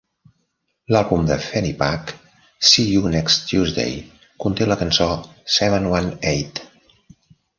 L'àlbum de FannyPack "See You Next Tuesday" conté la cançó "Seven One Eight".